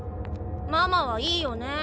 ママはいいよね。